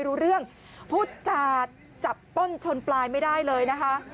รู้เรื่องพูดจาจับต้นชนปลายไม่ได้เลยนะคะ